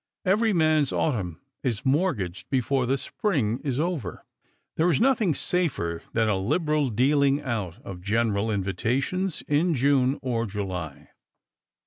Every man's autumn is mortgaged before the spring is over; there is nothing safer than a Hberal dealing out of general invitations in June or July.